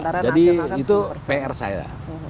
jadi itu pr saya